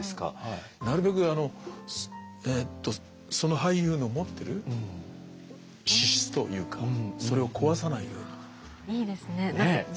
なるべくあのえっとその俳優の持ってる資質というかそれを壊さないように。